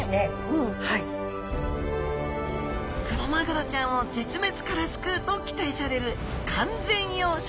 クロマグロちゃんを絶滅から救うと期待される完全養殖。